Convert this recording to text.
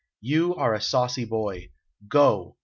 "You are a saucy boy! Go!